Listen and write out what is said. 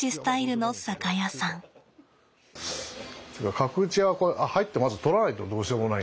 角打ちは入ってまず取らないとどうしようもない。